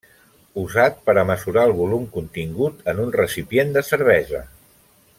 Usat per a mesurar el volum contingut en un recipient de cervesa.